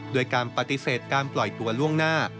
โดยการปฏิเสธการปล่อยตัวล่วงหน้า